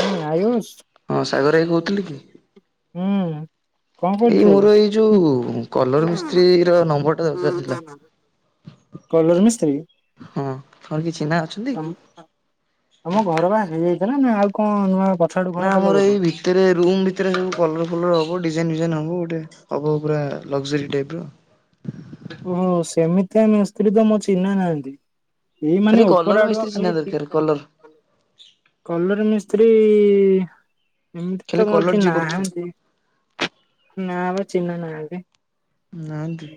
ହୁଁ ଆୟୁଷ। ହଁ ସାଗର ଭାଇ କହୁଥିଲି କି? ହୁଁ। କଣ ଏଇ କରୁଛୁ? ମୋର ଏଇ ଯୋଉ କଲର ମିସ୍ତ୍ରୀ ର ନମ୍ବର ଟା ଦରକାର ଥିଲା। କଲର ମିସ୍ତ୍ରୀ? ହଁ। ତମର କିଏ ଚିହ୍ନା ଅଛନ୍ତି? ତମ ଘର ପା ହେଇଯାଇଥିଲା। ନା ଆଉ କଣ ନୂଆ ଆଡୁ ଘର ନା କଲ ଆମର ଏଇ ବୋଧେ? ଭି ଭିତରେ ରୁମ୍ ଭିତରେ ସବୁ କଲର ଫଲର ହବ ଡିଜାଇନ ଫିଜାଇନ ହବ ଗୋଟେ ହବ ପୁରା ଲକ୍ଜରୀ ଟାଇପ ର। ଓହୋ। ସେମିତିଆ ମିସ୍ତ୍ରୀ ତ ମୋର ଚିହ୍ନା ନାହାନ୍ତି। ଏଇ ଖାଲି ମାନେ କଲର ଉପର ଆଡ଼ୁଆ ମିସ୍ତ୍ରୀ ଚିହ୍ନା ଖାଲିି ଟି ଦରକାର କଲର କଲର ମିସ୍ତ୍ରୀ ଏମିତି ଖାଲି ତ ମୋର କଲର କେହି ଯିଏ କରୁଥିବ ନାହାନ୍ତି। ନା ପା, ଚିହ୍ନା ନାହାଁନ୍ତି। ନାହାଁନ୍ତି?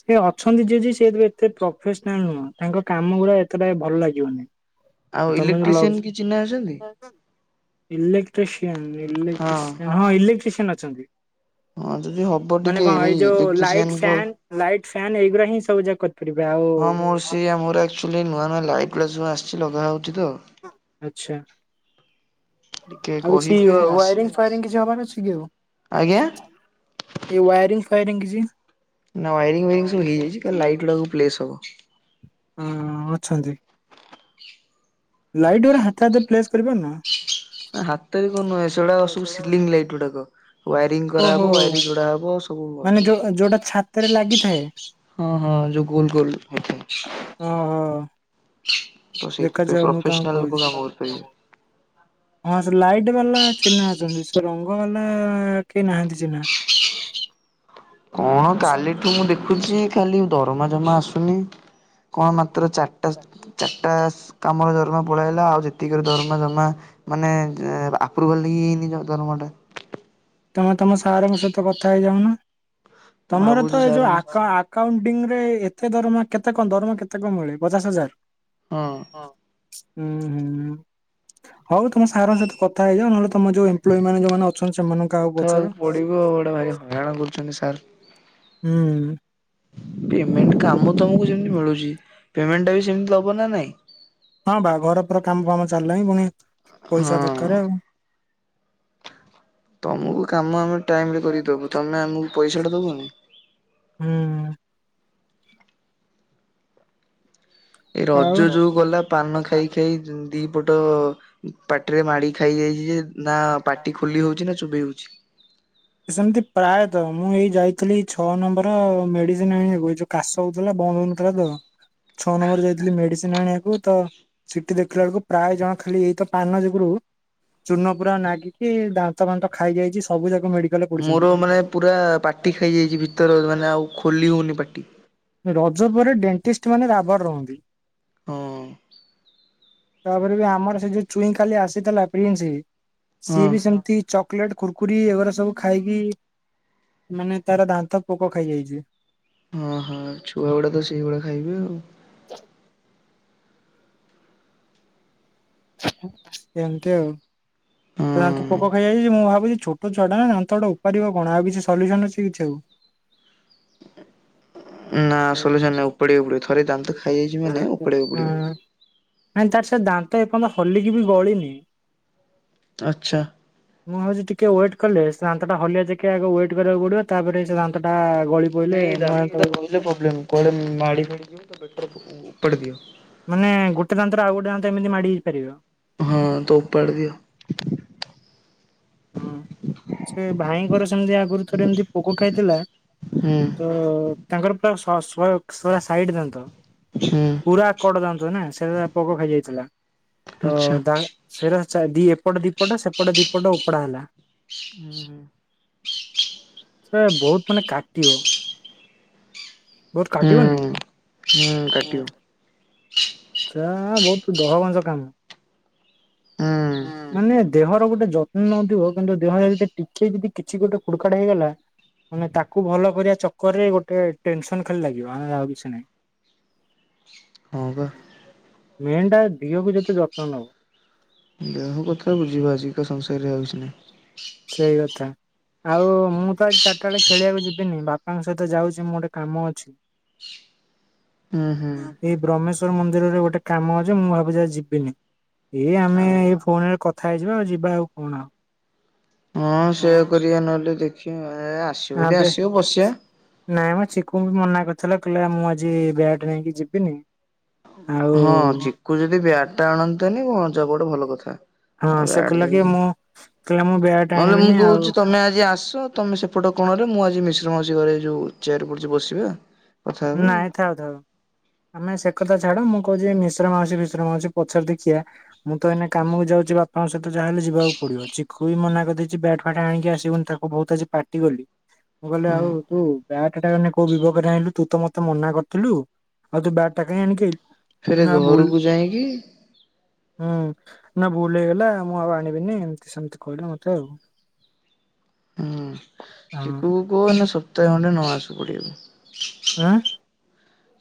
ସେ ଅଛନ୍ତି ଯିଏ ଯିଏ, ସିଏ ଏତେ ପ୍ରଫେସନାଲ ନୁହଁ, ତାଙ୍କ କାମ ଗୁଡ଼ା ଏତେ ଟା ବି ଭଲ ଲାଗିବନି। [unintelligible] ଇଲେକ୍ଟ୍ରିସିଆନ କିଏ ଚିହ୍ନା ଅଛନ୍ତି? [unintelligible] ଇଲେଟ୍ରିସିଆନ୍, ହଁ ଇଲେଟ୍ରିସିଆନ୍। ହଁ, ଇଲେକ୍ଟ୍ରିସିଆନ୍ ଅଛନ୍ତି। ହଁ ଯଦି ହବ ମାନେ ଟିକେ, କଣ ଏଇ ଯୋଉ ଲାଇଟ୍ ଇଲେକ୍ଟ୍ରିସିଆନଙ୍କ ଫ୍ୟାନ୍ ଲାଇଟ୍ ଫ୍ୟାନ୍ ଏଇ ଗୁଡ଼ା ହିଁ ସବୁ ଯାକ କରି କରିବେ ଆଉ ହଁ ମୋର ସେ, ମୋର ଆକ୍ଚୁଆଲି ନୂଆ ନୂଆ ଲାଇଟ୍ ଗୁଡ଼ାକ ଆସିଛି ଲଗାହେଉଛି ତ ଆଛା। ଟିକେ ଆଉ କିଛି କହିବେ ଆସିବେ ୱାଇରିଂ ଫାଇରିଂ କିଛି ହବାର ଅଛି କି ଆଉ? ଆଜ୍ଞା ଏଇ ୱାଇରିଂ ଫାଇରିଂ କିଛି ନା ୱାରିଙ୍ଗ ଫାରିଙ୍ଗ ସବୁ ହେଇଯାଇଚି, ଖାଲି ହଁ ଲାଇଟ୍ ଗୁଡ଼ାକ ପ୍ଲେସ୍ ହବ। ଅ ଅଛନ୍ତି, ଲାଇଟ୍ ଗୁଡ଼ା ହାତେ ହାତେ ପ୍ଲେସ ହାତରେ କରିନୁ, ସେଗୁଡ଼ାକ ସବୁ ସିଲିଂ ଲାଇଟ୍ ଗୁଡ଼ାକ। ୱାଇାରିଂ ଓହୋ କରାହେବ, ୱାଇାରଂ ଯୋଡ଼ା ହବ, ସବୁ ମାନେ ଅଛି ଯୋଉ ଯୋଉଟା ଛାତରେ ଲାଗିଥାଏ ହଁ ହଁ, ଯୋଉ ଗୋଲ ଗୋଲ ହେଇଥାଏ। ଓହୋଃ। ତ ସେଇଥିପାଇଁ ତାଙ୍କୁ ପ୍ରଫେସନାଲ ଲୋକ କହୁଛି କାମ କରି ପାରିବେ। ହଁ, ସେ ଲାଇଟ ବାଲା ଚିହ୍ନା ଅଛନ୍ତି, ସେ ରଙ୍ଗ ବାଲା କେହି ନାହାନ୍ତି ଚିହ୍ନା। କଣ କାଲିଠୁ ମୁଁ ଦେଖୁଛି, ଖାଲି ଦରମା ଜମା ଆସୁନି। କଣ ମାତ୍ର ଚାରିଟା, ଚାରିଟା କାମରେ ଦରମା ପଳେଇ ଆଇଲା, ଆଉ ଯେତିକି ର ଦରମା ଜମା ମାନେ ଆପ୍ରୁଭାଲ୍ ହି ହେଇନି ଦରମା ଟା। ତମେ ତମ ସାରଙ୍କ ସହିତ କଥା ହେଇଯାଉନ, ମୁଁ ତମର ଭାବୁଛି ତ ଏଇ ସାର୍ ଯୋଉ ଙ୍କୁ ଆକାଉଣ୍ଟ୍ ଆକାଉଣ୍ଟିଙ୍ଗ୍ ରେ ଏତେ ଦରମା କେତେ କଣ ଦରମା କେତେ କଣ ମିଳେ? ପଚାଶ ହଜାର? ହଁ। ହଁ। ହୁଁ ହୁଁ। ହଉ ତମ ସାର୍ ଙ୍କ ସହିତ କଥା ହେଇଯାଅ, ନହେଲେ ତମ ଯୋଉ ଏମ୍ପ୍ଲଏ ମାନେ ଯୋଉମାନେ ଅଛନ୍ତି ସେମାନଙ୍କୁ କାହାକୁ କଥା ପଚାର। ହେବାକୁ ପଡ଼ିବ ଆଉ, ଗୋଟେ ଭାରି ହଇରାଣ କରୁଛନ୍ତି ସାର୍। ହୁଁ। ପେମେଣ୍ଟ, କାମ ତମକୁ ଯେମିତି ମିଳୁଚି, ପେମେଣ୍ଟ ଟା ବି ସେମିତି ଦବ ନା ନାଇଁ? ହଁ ବା, ଘର ପୁରା କାମ ଫାମ ଚାଲିଲାଣି, ପୁଣି ପଇସା ହଁ ଦରକାର ଆଉ। ତମକୁ କାମ ଆମେ ଟାଇମ ରେ କରିକିଦବୁ, ତମେ ଆମକୁ ପଇସା ଟା ଦବନି। ହୁଁ। ଏ ଆଉ ରଜ ଯୋଉ ଗଲା, ପାନ ଖାଇ ଖାଇ ଯୋଉ ଦି ପଟ ପାଟିରେ ମାଢ଼ି ଖାଇଯାଇଚି ଯେ, ନା ପାଟି ଖୋଲି ହଉଚି, ନା ଚୋବେଇ ହଉଚି। ସେମିତି ପ୍ରାୟତଃ, ମୁଁ ଏଇ ଯାଇଥିଲି ଛଅ ନମ୍ବର ମେଡ଼ିସିନ ଆଣିବାକୁ, ଏ ଯୋଉ କାଶ ହେଉଥିଲା, ବନ୍ଦ ହେଉନଥିଲା ତ, ଛଅ ନମ୍ବର ଯାଇଥିଲି ମେଡ଼ିସିନ୍ ମେଡ଼ିସିନ୍ ଆଣିବାକୁ ତ, ସେଠି ଦେଖିଲା ବେଳକୁ ପ୍ରାୟ ଜଣ ଖାଲି ଏଇତ ପାନ ଯୋଗୁଁ ରୁ ଚୁନ ପୁରା ନାଗିକି, ଦାନ୍ତ ଫାନ୍ତ ଖାଇଯାଇଚି, ସବୁ ଯାକ ମାଢ଼ି ମୋର ମାନେ ପୁରା ପାଟି ଖାଇଯାଇଚି, ଭିତର, ମାନେ ଆଉ ଖୋଲି ହଉନି ପାଟି। ରଜ ପରେ ଡେଣ୍ଟିଷ୍ଟ ମାନେ ରାବାର ରହନ୍ତି। ହଁ। ତାପରେ ବି ଆମର ସେ ଯୋଉ ଚୁଇଁ ଖାଲି ଆସିଥିଲା, ପ୍ରିନ୍ସ, ହଁ ସିଏ ବି ସେମି଼ତି ଚକଲେଟ, କୁରକୁରି ଏଗୁଡ଼ା ସବୁ ଖାଇକି ମାନେ ତାର ଦାନ୍ତ ପୋକ ଖାଇଯାଇଛି। ହଁ ହଁ ଛୁଆ ଗୁଡ଼ା ତ ସେଇଭଳିଆ ଖାଇବେ ଆଉ ଏମିତି ଆଉ। ତାର ହଁ। ପୋକ ଖାଇଯାଇଛି ମୁଁ ଭାବୁଛି ଛୋ ଛୋଟ ଛୁଆଟା ନା ଦାନ୍ତଟା ଉପାଡ଼ିବ କଣ ଆଉ କିଛି ସଲ୍ୟୁସନ ଅଛି କିଛି ଆଉ? ନା ସଲ୍ୟୁସନ୍ ନାଇଁ ଉପାଡ଼ିବାକୁ ପଡ଼ିବ ଥରେ ଦାନ୍ତ ଖାଇଯାଇଛି ମାନେ ଉପଡ଼ିବାକୁ ପଡ଼ିବ। ହଁ ନାଇଁ ତାର ସେ ଦାନ୍ତ ଏପର୍ଯ୍ୟନ୍ତ ହଲିକି ବି ଗଳିନି। ଆଚ୍ଛା। ମୁଁ ଭାବୁଛି ଟିକେ ୱେଟ୍ କଲେ ସେ ଦାନ୍ତଟା ହଲିଆ ଯାଇକି ଆଗ ୱେଟ୍ କରିବାକୁ ପଡ଼ିବ ତାପରେ ସେ ଦାନ୍ତ ଟା ଗଳି ପଇଲେ ନୂଆ ଦାନ୍ତ ପୁଣି ଉଠିବ। ପ୍ରୋବ୍ଲେମ୍ କୁଆଡ଼େ ମାଡ଼ି ଫାଡ଼ି ଫୁଲିବ ତ ବେଟର ଉପାଡ଼ି ଦିଅ। ମାନେ ଗୋଟେ ଦାନ୍ତରୁ ଆଉ ଗୋଟେ ଦାନ୍ତ ଏମିତି ମାଡ଼ି ହୋଇ ପାରିବ। ହଁ ତ ଉପାଡ଼ି ଦିଅ। ହଁ ସେ ଭାଇଙ୍କର ସେମିତି ଆଗରୁ ଥରେ ଏମିତି ପୋକ ଖାଇଥିଲା। ହୁଁ। ତ ତାଙ୍କର ପୁରା ଶହ ଶୋ ସାଇଡ୍ ଦାନ୍ତ। ହୁଁ ପୁରା କଡ଼ ଦାନ୍ତ ନା ସେ ପୋକ ଖାଇଯାଇଥିଲା। ତ ଆଚ୍ଛା। ଦାନ୍ତ ସେରା ଏପଟ ଦିପଟ ସେପଟ ଦିପଟ ଆଉ ଉପୋଡ଼ା ହେଲା। ସେ ବହୁତ ମାନେ କାଟିବ ବହୁତ ହୁଁ କାଟିବନି। ହୁଁ କାଟିବ। ତା ବହୁତ ଦହ ଗଞ୍ଚ କାମ ହୁଁ ହଁ ମାନେ ମାନେ ଦେହର ଗୋଟେ ଯତ୍ନ ନଉଥିବ କିନ୍ତୁ ଦେହରେ ଯଦି ଟିକେ ଯଦି କିଛି ଗୋଟେ ଖୋଡ଼ଖାଟ ହେଇଗଲା। ମାନେ ତାକୁ ଭଲ କରିବା ଚକରରେ ଗୋଟେ ଟେନସନ୍ ଖାଲି ଲାଗିବ ଆଉ କିଛି ନାହିଁ। ହଁ ବା। ମେନ୍ ଟା ଦିହକୁ ଯେତେ ଯତ୍ନ ନବ। ଦେହ କଥା ବୁଝିବା ଆଜିିକା ସଂସାରରେ ହେଉଛି ନା। ସେଇ କଥା। ଆଉ ମୁଁ ତ ଆଜି ଚାରିଟା ବେଳେ ଖେଳିବାକୁ ଯିବିନି ବାପାଙ୍କ ସହିତ ଯାଉଛି ମୁଁ ଗୋଟେ କାମ ଅଛି। ହୁଁ ହୁଁ। ଏଇ ବ୍ରହ୍ମେଶ୍ୱର ମନ୍ଦିରରେ ଗୋଟେ କାମ ଅଛି ମୁଁ ଭାବୁଛି ଯିବିନି ଏଇ ଆମେ ଆଉ ଏଇ ଫୋନରେ କଥା କଥା ହେଇଯିବା ଆଉ ଯିବା ଆଉ କଣ ଆଉ? ହଁ ସେଇୟା କରିବା ନହେଲେ ଦେଖିବ ଆସିବୁ ଆବେ ଆସିବ ବସିବା। ନାଇଁ ମ ଚିକୁ ବି ମନା କରିଥିଲା କହିଲା ମୁଁ ଆଜି ବ୍ୟାଟ ନେଇକି ଯିବିନି। ଆଉ ହଁ ଚିକୁ ଯଦି ବ୍ୟାଟ୍ ଟା ଆଣନ୍ତା ନି ପଞ୍ଚ ଗୋଟେ ଭଲ କଥା। ହଁ ଆଉ ସେ ବ୍ୟାଟ କହିଲା କି ଧରିକି ମୁଁ କହିଲା ମୁଁ ବ୍ୟାଟ ନହେଲେ ମୁଁ ଆଣିବିନି ଆଉ କହୁଛି ତମେ ଆଜି ଆସ ତମେ ସେପଟ କଣରେ ମୁଁ ଆଜି ମିଶ୍ର ମାଉସି ଘରେ ଯୋଉ ଚେୟାର ପଡିଛି ବସିବା। କଥା ହେବେ ଆଉ ନାଇଁ ଥାଉ ଥାଉ। ଆମେ ସେ କଥା ଛାଡ ମୁଁ କହୁଛି ମିଶ୍ର ମାଉସି ବିଶ୍ରମ ମାଉସି ପଛାରେ ଦେଖିଆ। ମୁଁ ତ ଏଇନେ କାମକୁ ଯାଉଛି ବାପାଙ୍କ ସହିତ ଯାହା ହେଲେ ଯିବାକୁ ପଡିବ ଚି ଖୁଇ ମନା କରିଦେଇଛି ବ୍ୟାଟ୍ ଫାଟ ଆଣିକି ଆସିବୁନି ତାକୁ ବହୁତ ଆଜି ପାଟି କଲି। ମୁଁ କହିଲେ ଆଉ ତୁ ବ୍ୟାଟଟା କୋଉ ବିବେକରେ ଆଣିଲୁ? ତୁ ତ ମତେ ମନା କରିଥିଲୁ ଆଉ ତୁ ବ୍ୟାଟଟା କାହିଁ ଆଣିକି ଆଇଲୁ? ଫେରେ ନା ଭୁଲ ଘରକୁ ଯାଇକି ହୁଁ ନା ଭୁଲ ହେଇଗଲା ମୁଁ ଆଉ ଆଣିବିନି ଏମିତି ସେମିତି କହିଲା ମତେ ଆଉ ହୁଁ ହଁ ଚିକୁ କୁ କଉ ସପ୍ତାହେ ଖଣ୍ଡେ ନ ଆସୁ ପଡିବାକୁ। ଆଁ।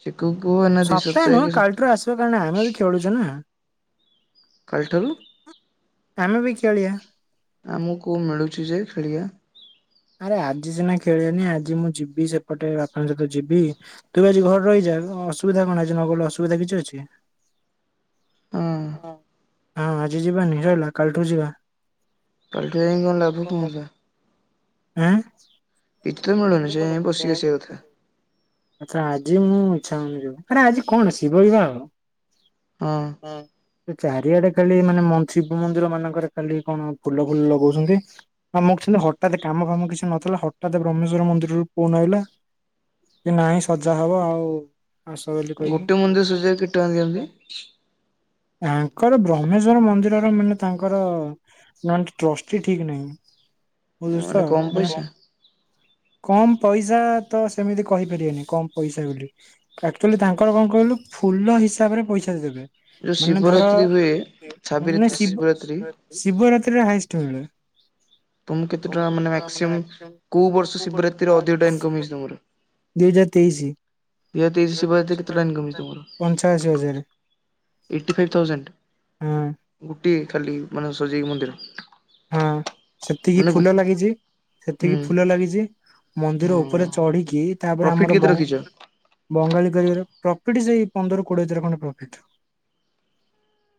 ଚୀକୁ କୁ କୁହ ଏଇନା ଦି ସପ୍ତାହେ କି ସପ୍ତା ତ ତାନେ ଆମେ ବି ଖେଳୁଛେ ନା। କାଲଠାରୁ ଆମେ ବି ଖେଳିଆ। ଆମକୁ ମିଳୁଛି ଯେ ଖେଳିଆ। ଆରେ ଆଜି ସିନା ଖେଳିବିନି ଆଜି ମୁଁ ଯିବି ସେପଟେ ବାପାଙ୍କ ସହିତ ଯିବି। ତୁ ବି ଆଜି ଘରେ ରହିଯା ଅସୁବିଧା କଣଆଜି ନ ଗଲେ ଅସୁବିଧା କିଛି ଅଛି? ହଁ ହଁ ଆଜି ଯିବାନି ସଇଲା କାଲିଠୁ ଯିବା। କାଲଠୁ ଯାଇଁକି କଣ ଲାଭ କଁ ହୁଅନ୍ତା? ଆଁ। [unintelligible] ବସିି ବସି କଥା। ଆଛା ଆଜି ମୁଁ ଇଚ୍ଛା ହଉନି ଯିବାକୁ ଆରେ ଆଜି କଣ ଶିବ ବିବାହ? ହଁ। ହଁ। ସେ ଚାରିଆଡେ ଖାଲି ମାନେ ମ ଶିବ ମନ୍ଦିର ମାନଙ୍କରେ ଖାଲି କଣ ଫୁଲ ଫୁଲ ଲଗଉଛନ୍ତି। ହଁ ମୁଁ ହଠାତ କାମ ଫାମ କିଛି ନଥିଲା ହଠାତ୍ ରମେଶ୍ଵର ମନ୍ଦିରରୁ ଫୁନ ଆଇଲା କି ନାଇଁ ସଜା ହବ ଆଉ। ଆସ ବୋଲି କହିକି ଗୋଟିଏ ମନ୍ଦିର ସଜେଇ ଆକୁ କେଟ ଟଙ୍କା ଦିଅନ୍ତି? ତାଙ୍କର ବ୍ରହ୍ମେଶ୍ଵର ମନ୍ଦିରର ମାନେ ତାଙ୍କର ନା ଟ୍ରଷ୍ଟି ଠିକ ନାଇଁ, ମାନେ କମ ପଇସା [unintelligible] କମ ପଇସା ତ ସେମିତି କହିପାରିବାନି କମ ପଇସା ବୋଲି। ଆକ୍ଚୁଆଲି ତାଙ୍କର କଣ କହିଲୁ ଫୁଲ ହିସାବରେ ପଇସା ଦେବେ। ଯୋଉ ମାନେ ଧର ଶିବରାତ୍ରି ହୁଏ ମାନେ ସାବିତ୍ରୀ ଶିବ ଶିବରାତ୍ରି ଶିବରାତ୍ରିରେ ହାଏଷ୍ଟ ମିଳେ। ତମକୁ କେତେ ଟଙ୍କା ମାନେ ମ୍ୟାକ୍ସି ଅମ କୋଉ ବର୍ଷ ଶିବରାତିରେ ଅଧିକଟା ଇନକମ୍ ହେଇଛି ତମର? ଦୁଇ ହଜାର ତେଇଶି [unintelligible] କେତେ ଟଙ୍କା ଇନ୍କମ୍ ହେଇଚି ତମର? ପଞ୍ଚାଅଶୀ ହଜାର ଏଇଟି ଫାଇଭ୍ ଥାଉଜେଣ୍ଡ ହଁ ଗୋଟିଏ ଖାଲି ମାନେ ସଜେଇ ମନ୍ଦିର? ହଁ ସେତିକି ମାନେ ଗୋ ଫୁଲ ଲାଗିଚି। ହୁଁ ସେତିକି ଫୁଲ ଲାଗିଚି ମନ୍ଦିର ଉପରେ ହଁ ଚଢିକି ତାପରେ ପ୍ରଫିଟ୍ ଆମର କେତେ ବ ରଖିଛ? ବଙ୍ଗାଳୀ କରିବାର ପ୍ରଫିଟ ସେଇ ପନ୍ଦର କୋଡିଏ ହଜାର ଖଣ୍ଡେ ପ୍ରଫିଟ।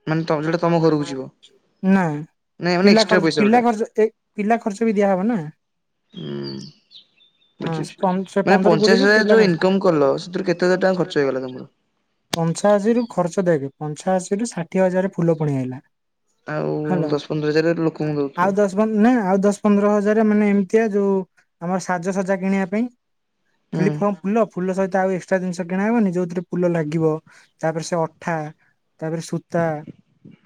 ମାନେ ତ ଯୋଉଟା ତମ ଘରକୁ ଯିବ ନା। ନାଇଁ ମାନେ ପିଲା ଏକ୍ସଟ୍ରା ଖର୍ ପଇସା ପିଲା ଯୋଉଟା ଖର୍ଚ୍ଚ ଏ ପିଲା ଖର୍ଚ୍ଚ ବି ଦିଆହବ ନା। ହୁଁ ହଁ ବୁଝୁଛି। ସେ ସେ ମାନେ ପନ୍ଦର ପଞ୍ଚାଅଶୀ କୋଡିରୁୁ ହଜାର ପିଲା ଯୋଉ ଆସି। ଇନକମ୍ କଲ ସେଥିରୁ କେତେ ହଜାର ଟଙ୍କା ଖର୍ଚ୍ଚ ହେଇଗଲା ତମର? ପଞ୍ଚାଅଶୀରୁୁ ଖର୍ଚ୍ଚ ଦେଖେ ପଞ୍ଚାଅଶୀରୁ ଷାଠିଏଜାର ଫୁଲ ପଳି ଆଇଲା। ଆଉ ହେଲା। ଦଶ ପନ୍ଦର ହଜାର ଲୋକଙ୍କୁ ଆଉ ଦଉଥିବ। ଦଶ ପନ ନା ଆଉ ଦଶ ପନ୍ଦର ହଜାର ମାନେ ଏମିତିଆ ଯୋଉ ଆମର ସାଜସଜା କିଣିବା ପାଇଁ। ହୁଁ ଖାଲି ଫ ଫୁଲ ଫୁଲ ସହିତ ଆଉ ଏ କ୍ସଟ୍ରା ଜିନିଷ କିଣା ହେବନି ଯୋଉଥିରେ ଫୁଲ ଲାଗିବ ତାପରେ ସେ ଅଠା। ତାପରେ ସୂତା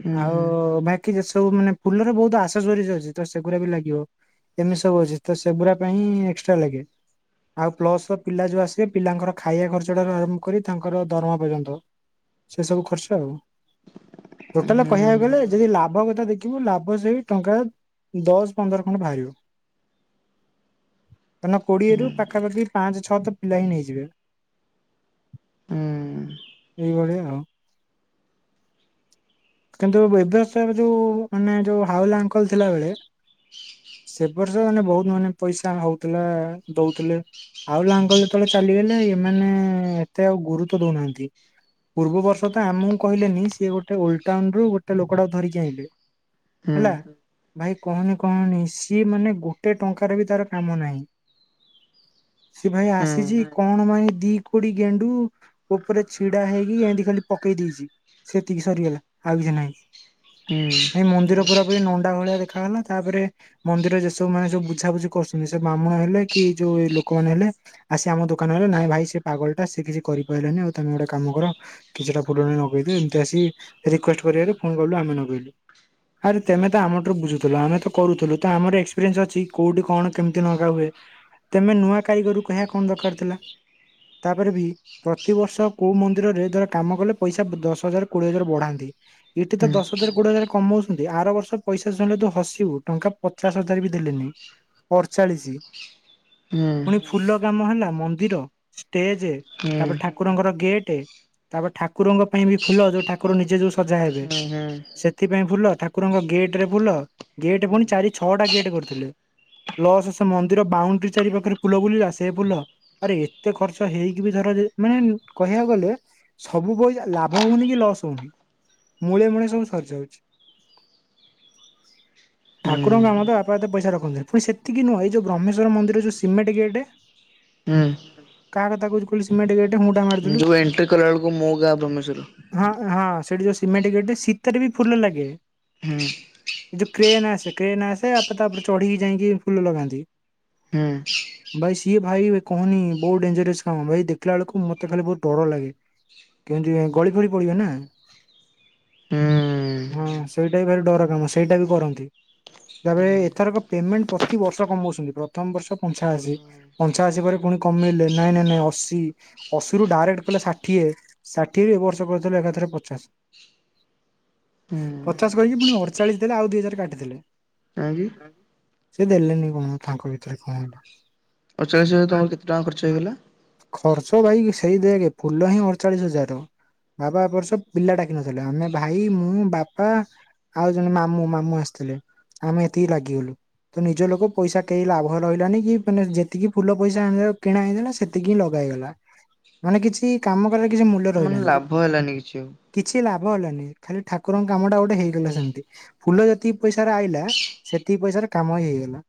ହୁଁ ହୁଁ ଆଉ ହୁଁ। ବାକି ଯେ ସବୁ ମାନେ ଫୁଲରେ ବହୁତ ଆଶା ଜରି ଅଛି ତ ସେଗୁଡ଼ା ବି ଲାଗିବ। ଏମିତି ସବୁ ଅଛି ତ ସେଗୁଡା ପାଇଁ ଏକ୍ସଟ୍ରା ଲାଗେ। ଆଉ ପ୍ଲସ ପିଲା ଯୋଉ ଆସିବେ ପିଲାଙ୍କର ଖାଇବା ଖର୍ଚ୍ଚ ଠାରୁ ଆରମ୍ଭ କରି ତାଙ୍କର ଦରମା ପର୍ଯ୍ୟନ୍ତ। ସେ ସବୁ ଖର୍ଚ୍ଚ ଆଉ ଟୋଟାଲ କହିବାକୁ ଗଲେ ଯଦି ଲାଭ କଥା ଦେ କିନ୍ତୁ ଲାଭ ସେଇ ଟଙ୍କା ଦଶ, ପନ୍ଦର ଖଣ୍ଡ ବାହାରିବ। କାରଣ ହୁଁ କୋଡିଏରୁ ପାଖାପାଖି ପାଞ୍ଚ, ଛଅ ତ ପିଲା ହିଁ ନେଇଯିବେ। ଏଇ ଭଳିଆ ଆଉ। କିନ୍ତୁ ବ୍ୟବସାୟରେ ଯୋଉ। ମାନେ ଯୋଉ ହାଉଲା ଅଙ୍କଲ ଥିଲାବେଳେ। ସେ ବର୍ଷ ମାନେ ବହୁତ ମାନେ ପଇସା ହଉଥିଲା ଦଉଥିଲେ। ହାଉଲା ଅଙ୍କଲ ଯେତେବେଳେ ଚାଲିଗଲେ ଏମାନେ ଏତେ ଆଉ ଗୁରୁତ୍ୱ ଦଉନାହାନ୍ତି। ପୂର୍ବ ବର୍ଷ ତ ଆମକୁ କହିଲେନି ସିଏ ଗୋଟେ ଓଲ ଟାଉନରୁୁ ଗୋଟେ ଲୋକଟାକୁ ଧରିକି ଆଇଁଲେ। ହୁଁ ହେଲା ଭାଇ କହନି କହନି ସିଏ ମାନେ ଗୋଟେ ଟଙ୍କାରେ ବି ତାର କାମ ନାହିଁ। ସେ ଭାଇ ଆସିଛି ହୁଁ କଣ ପାଇଁ ଦି କୋଡି ଗେଣ୍ଡୁ। ଉପରେ ଛିଡା ହେଇକି ଏମିତି ଖାଲି ପକେଇ ଦେଇଛି ସେତିକି ସରିଗଲା ଆଉ କିଛି ନାହିଁ। ହୁଁ ଭାଇ ମନ୍ଦିର ପୁରା ପୁରି ନଣ୍ଡା ଭଳିଆ ଦେଖାଗଲା ତାପରେ। ମନ୍ଦିରରେ ଯେ ସବୁ ମାନେ ଯୋଉ ବୁଝାବୁଝି କରୁଛନ୍ତି ସେ ବ୍ରାହ୍ମଣ ହେଲେ କି ଏ ଯୋଉ ଏଇ ଲୋକମାନେ ହେଲେ। ଆସି ଆମ ଦୋକାନରେ [unintelligible] ନାଇଁ ଭାଇ ସେ ପାଗଳ ଟା ସେ କିଛି କରିପାରିଲାନି ଆଉ ତମେ ଗୋଟେ କାମ କର। କିଛିଟା ଫୁଲ ଆଣି ନଗେଇ ଦିଅ ଏମିତି ଆସି ରିକୁଏଷ୍ଟ କରିବାରୁ ଫୁଣି ଗଲୁ ଆମେ ନଗେଇଲୁ। ଆରେ ତେମେ ତ ଆମ ଠାରୁ ବୁଝୁଥିଲ ଆମେ ତ କରୁଥିଲୁ ତ ଆମର ଏକ୍ସପିରିଏନ୍ସ ଅଛି କୋଉଠି କଣ କେମିତି ନଗା ହୁଏ। ତେମେ ନୂଆ କାରିଗର କୁ କହିବା କଣ ଦରକାର ଥିଲା ତାପରେ ବି। ପ୍ରତିିବର୍ଷ କୋଉ ମନ୍ଦିରରେ ଧର କାମ କଲେ ପଇସା ବ ଦଶ ହଜାର, କୋଡିଏ ହଜାର ବଢାନ୍ତି। ଏଠି ତ ହୁଁ। ଦଶ ହଜାର, କୋଡିଏ ହଜା କମଉଛନ୍ତି ଆର ବର୍ଷ ପଇସା ଶୁଣିଲେ ତୁ ହସିବୁ ଟଙ୍କା ପଚାଶ ହଜାର ବି ଦେଲେନି। ଅଠଚାଳିଶ ହୁଁ ପୁଣି ଫୁଲ କାମ ହେଲା ମନ୍ଦିର। ଷ୍ଟେଜେ ହୁଁ ତାପରେ ଠାକୁରଙ୍କର ଗେଟେ। ତାପରେ ଠାକୁରଙ୍କ ପାଇଁ ବି ଫୁଲ ଯୋଉ ଠାକୁର ନିଜେ ଯୋଉ ସଜା ହେବେ ହୁଁ ସେ ସେଥିପାଇଁ ଫୁଲ ଠାକୁରଙ୍କ ଗେଟ୍ ରେ ଫୁଲ ଗେଟ୍ ପୁଣି ଚାରି, ଛଅଟା ଗେଟ୍ କରିଥିଲେ। ପ୍ଲସ ସେ ମନ୍ଦିର ବାଉଣ୍ଡ୍ରି ଚାରି ପାଖରେ ଫୁଲ ବୁଲିଲା ସେ ଫୁଲ। ଆରେ ଏତେ ଖର୍ଚ୍ଚ ହେଇକି ବି ଧର ଯେ ମାନେ କହିବାକୁ ଗଲେ। ସବୁ ପଇସା ଲାଭ ହଉନି କି ଲସ୍ ହଉନି ମୂଳେ ମୂଳେ ସବୁ ସରିଯାଉ ହୁଁ ଠାକୁରଙ୍କ କାମ ତ ବାପା ଏତେ ପଇସା ରଖନ୍ତିନି ପୁଣି ସେତିକି ନୁହ ଏଇ ଯଉ ବ୍ରହ୍ମେଶ୍ୱର ମନ୍ଦିର ଯୋଉ ସିମେଣ୍ଟ ଗେଟ୍। ହୁଁ। କାହା କଥା କହୁଚି କହିଲୁ ସିମେଣ୍ଟ ଗେଟେ ହୁଁ ଟା ମାରିଦେଲୁ। ଯୋଉ ଏଣ୍ଟ୍ରି କଲା ବେଳକୁ ହଁ ହଁ ସେଇଠି ଯୋଉ ସିମେଣ୍ଟ ଗେଟେ ସିଥେରେ ବି ଫୁଲ ଲାଗେ। ହୁଁ। ଏ ଯୋଉ କ୍ରେନ୍ ଆସେ କ୍ରେନ୍ ଆସେ ବାପା ତା ଉପରେ ଚଢିକି ଯାଇଁକି ଫୁଲ ଲଗାନ୍ତି। ହୁଁ। ଭାଇ ସିଏ ଭାଇ କହନି ବହୁତ ଡେଞ୍ଜରିୟସ କାମ ଭାଇ ଦେଖିଲା ବେଳକୁ ମତେ ଖାଲି ବହୁତ ଡର ଲାଗେ। କେମିତି କାଇଁ ଗଳି ଫଳି ପଡିବେ ନା। ହଁ ସେଇଟା ବି ଭାରି ଡର କାମ ସେଇଟା ବି କରନ୍ତି। ତାପରେ ଏଥରକ ପେମେଣ୍ଟ ପ୍ରତି ବର୍ଷ କମଉଛନ୍ତି ପ୍ରଥମ ବର୍ଷ ପଞ୍ଚାଅଶୀ। ପଞ୍ଚାଅଶୀ ପରେ ପୁଣି କମେଇଲେ ନାଇଁ ନାଇଁ ନାଇଁ ଅଶୀ ଅଶୀରୁ ଡାଇରେକ୍ଟ କହିଲେ ଷାଠିଏ। ଷାଠିଏରୁ ଏ ବର୍ଷ କରିଦେଲେ ଏକାଥରେ ପଚାଶ। ପଚାଶ କହିକି ପୁଣି ଅଠଚାଳିଶ ଦେଲେ ଆଉ ଦୁଇ ହଜାର କାଟିଥିଲେ। ସେ ଦେଲେନି କଣ ତାଙ୍କ ଭିତରେ କଣ ହେଲା। ଆଡ଼ଚାଳିଶ ହଜାରରୁ ତମର କେତେ ଟଙ୍କା ଖର୍ଚ ହେଇଗଲା? ଖର୍ଚ୍ଚ ଭାଇ ସେଇ ଦେଖେ ଫୁଲହିଁ ଅଡ଼ଚାଳିଶ ହଜାର। ବାବା ଏବର୍ଷ ପିଲା ଡାକିନଥିଲେ ଆମେ ଭାଇ ମୁଁ ବାପା ଆଉ ଜଣେ ମାମୁଁ ମାମୁଁ ଆସିଥିଲେ ଆମେ ଏତିକି ଲାଗିଗଲୁ। ତ ନିଜ ଲୋକ ପଇସା କେହି ଲାଭ ରହିଲାନି କି ମାନେ ଯେତିକି ଫୁଲ ପଇସା ଆଣିକି କିଣାହଇଥିଲା ସେତିକି ଏତିକି ଲଗା ହେଇଗଲା ମାନେ କିଛି କାମ କରିକି କିଛି ମୂଲ୍ୟ ମାନେ ରହିଲାନି। ଲାଭ ହେଲାନି କିଛି ଆଉ। କିଛି ଲାଭ ହେଲାନି ଖାଲି ଠାକୁରଙ୍କ କାମଟା ଗୋଟେ ହେଇଗଲା ସେମିତି। ଫୁଲ ଯେତିକି ପଇସାରେ ଆଇଲା ସେତିକି ପଇସାରେ କାମ ହେଇଗଲା।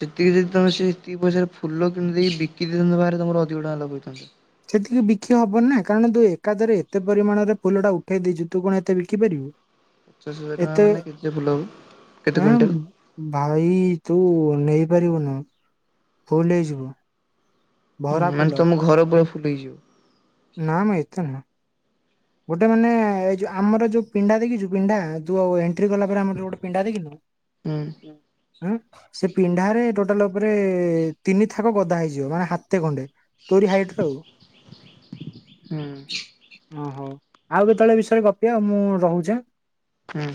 ସେତିକି ଯଦି ତମେ ସେଇ ପଇସାରେ ଫୁଲ କିଣିଦେଇ ବିକି ଦେଇଥାନ୍ତ ବାହାରେ ତମର ଅଧିକ ଟଙ୍କା ଲାଭ ହେଇଥାନ୍ତା। ସେତିକି ବିକି ହବନିନା କାରଣ ତୁ ଏକାଥରେ ଏତେ ପରିମାଣରେ ଫୁଲଟା ଉଠେଇ ଦେଇଛୁ ତୁ କଣ ଏତେ ବିକି ପାରିବୁ। [unintelligible] ପଚାଶ ହଜାର ଟଙ୍କା ଏତେ ମାନେ କେତେ ଫୁଲହବ କେତେ ଆଁ କୁଇଣ୍ଟାଲ୍? ଭାଇ ତୁ ନେଇପାରିବୁନୁ। ଫୁଲ୍ ହେଇଯିବ। ହୁଁ ଭରା ଫୁଲ ମାନେ ତମ ଘର ବ ଫୁଲ୍ ହେଇଯିବ। ନା ମ ଏତେ ନୁହଁ। ଗୋଟେ ମାନେ ଏଇ ଯୋଉ ଆମର ଯୋଉ ପିଣ୍ଡା ଦେଖିଛୁ ପିଣ୍ଡା ଯୋଉ ଏଣ୍ଟ୍ରି କଲାପରେ ଆମର ଗୋଟେ ପିଣ୍ଡା ଦେଖିଛୁ। [unintelligible] ହୁଁ। ହୁଁ। ସେ ପିଣ୍ଡାରେ ଟୋଟାଲ ଉପରେ ତିନି ଥାକ ଗଦା ହେଇଯିବ ମାନେ ହାତେ ଖଣ୍ଡେ। ତୋରି ହାଇଟ୍ ରେ ଆଉ ହୁଁ ହଁ ହୋଉ। ଆଉ କେତେବେଳେ ଏବିଷୟରେ ଗପିବା ଆଉ ମୁଁ ରହୁଚି ଆଁ। ହୁଁ।